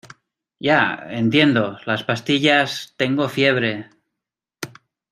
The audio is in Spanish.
ya, entiendo. las pastillas , tengo fiebre ...